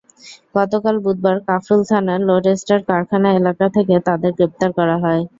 গতকাল বুধবার কাফরুল থানার লোডস্টার কারখানা এলাকা থেকে তাঁদের গ্রেপ্তার করা হয়।